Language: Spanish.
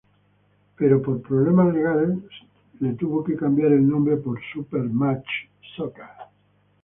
Pero por problemas legales le tuvo que cambiar el nombre por "Super Match Soccer".